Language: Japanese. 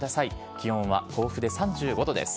気温は甲府で３５度です。